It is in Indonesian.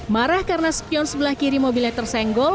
marah karena spion sebelah kiri mobilnya tersenggol